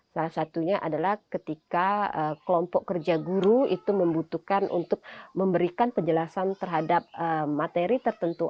salah satunya adalah ketika kelompok kerja guru itu membutuhkan untuk memberikan penjelasan terhadap materi tertentu